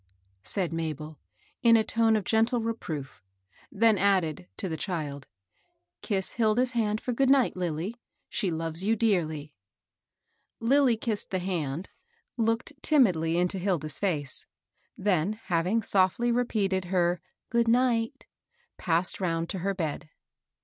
said Mabel, in a tone of gentle re proof; then added, to the child, ^^Eiss Hil da's hand for good night, Lilly. She loves you dearly." Lilly kissed the hand, looked timidly into Hil da's face ; then, having softly repeated her " good night," passed round to her bed.